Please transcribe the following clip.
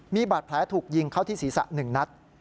มีบาดแผลถูกยิงเข้าที่ศีรษะ๑นัด